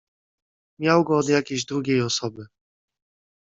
"Miał go od jakiejś drugiej osoby."